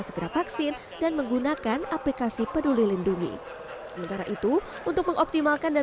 segera vaksin dan menggunakan aplikasi peduli lindungi sementara itu untuk mengoptimalkan dan